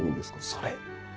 それ。